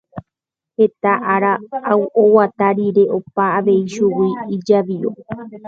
Heta ára oguata rire opa avei chugui ijavío.